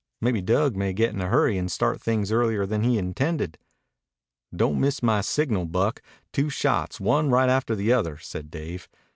Maybe Dug may get in a hurry and start things earlier than he intended." "Don't miss my signal, Buck. Two shots, one right after another," said Dave.